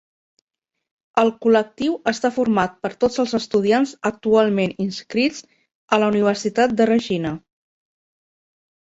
El col·lectiu està format per tots els estudiants actualment inscrits a la Universitat de Regina.